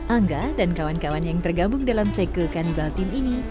angga dan kawan kawan yang tergabung dalam seke kanibal tim ini